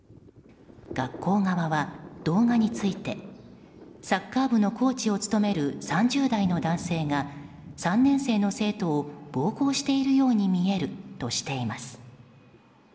学校側は動画についてサッカー部のコーチを務める３０代の男性が３年生の生徒を暴行しているように見えるとしています。